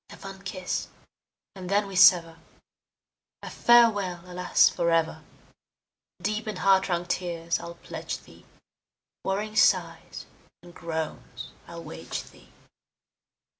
A fond kiss, and then we sever; A farewell, alas, forever! Deep in heart wrung tears I'll pledge thee, Warring sighs and groans I'll wage thee!